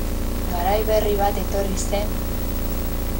Garai berri bat etorri zen...